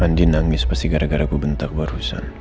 andi nangis pasti gara gara gue bentak barusan